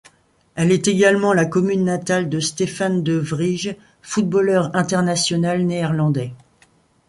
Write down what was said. Elle est également la commune natale de Stefan de Vrij, footballeur international néerlandais.